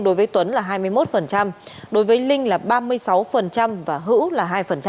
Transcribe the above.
hữu là hai mươi một linh là ba mươi sáu và hữu là hai